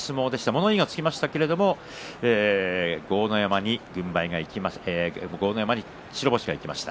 物言いがつきましたが豪ノ山に白星がいきました。